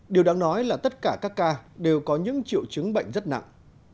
điều đáng nói là tất cả các ca đều có những triệu chứng bệnh rất nặng